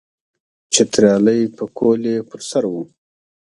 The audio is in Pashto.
چترالی پکول یې پر سر وو.